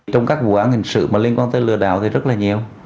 trong các vụ án hình sự mà liên quan tới lừa đảo thì rất là nhiều